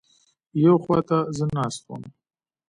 یوې خوا ته زه ناست وم.